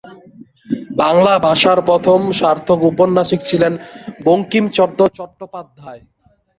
বাংলা ভাষার প্রথম সার্থক ঔপন্যাসিক ছিলেন বঙ্কিমচন্দ্র চট্টোপাধ্যায়।